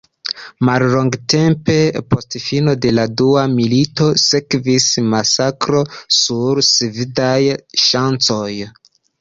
Mallongtempe post fino de la dua milito sekvis masakro sur Svedaj ŝancoj.